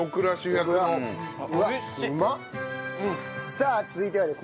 さあ続いてはですね